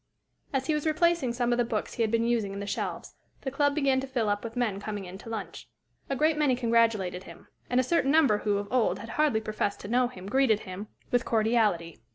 As he was replacing some of the books he had been using in the shelves, the club began to fill up with men coming in to lunch. A great many congratulated him; and a certain number who of old had hardly professed to know him greeted him with cordiality.